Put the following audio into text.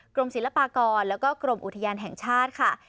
กรมศิลปากรแล้วก็กรมอุทยานแห่งชาติค่ะ